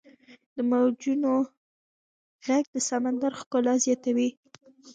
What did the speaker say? • د موجونو ږغ د سمندر ښکلا زیاتوي.